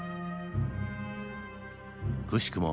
くしくも